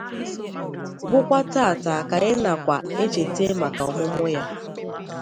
bụkwa tata ka anyị nakwa echeta maka ọmụmụ ya